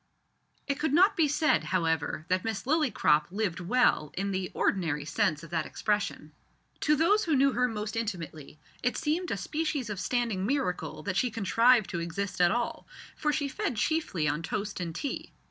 It could not be said, however, that Miss Lillycrop lived well in the ordinary sense of that expression. To those who knew her most intimately it seemed a species of standing miracle that she contrived to exist at all, for she fed chiefly on toast and tea.